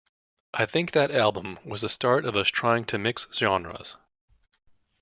I think that album was the start of us trying to mix genres.